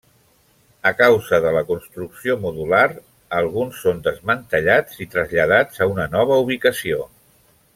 A causa de la construcció modular, alguns són desmantellats i traslladats a una nova ubicació.